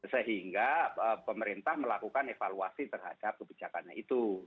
sehingga pemerintah melakukan evaluasi terhadap kebijakannya itu